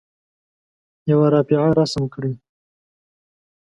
یوه رافعه رسم کړئ.